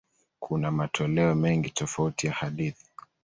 Kuna matoleo mengi tofauti ya hadithi.